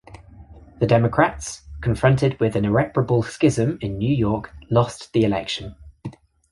The Democrats, confronted with an irreparable schism in New York, lost the election.